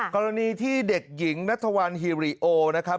กรณีที่เด็กหญิงนัทวันฮิริโอนะครับ